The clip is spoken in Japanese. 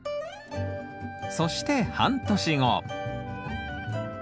そして半年後。